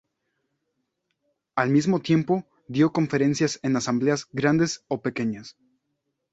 Al mismo tiempo dio conferencias en asambleas grandes o pequeñas.